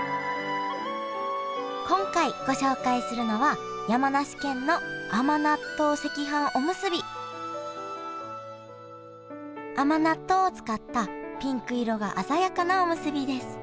今回ご紹介するのは甘納豆を使ったピンク色が鮮やかなおむすびです。